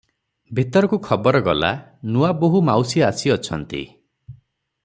ଭିତରକୁ ଖବର ଗଲା, ନୂଆବୋହୂ ମାଉସୀ ଆସିଅଛନ୍ତି ।